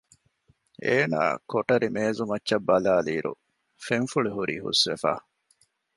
އޭނާ ކޮޓަރި މޭޒުމައްޗަށް ބަލާލިއިރު ފެންފުޅި ހުރީ ހުސްވެފަ